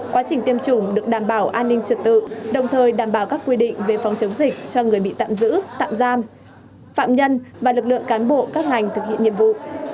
quá trình tiêm chủng được đảm bảo an ninh trật tự đồng thời đảm bảo các quy định về phòng chống dịch cho người bị tạm giữ tạm giam phạm nhân và lực lượng cán bộ các ngành thực hiện nhiệm vụ